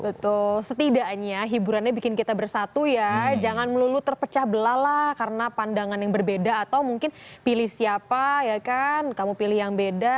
betul setidaknya hiburannya bikin kita bersatu ya jangan melulu terpecah belah lah karena pandangan yang berbeda atau mungkin pilih siapa ya kan kamu pilih yang beda